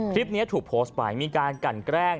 คลิปนี้ถูกโพสต์ไปมีการกันแกล้ง